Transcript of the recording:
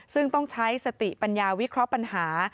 ซึ่งต้องใช้สติปัญญาวิเคราะห์ปัญหา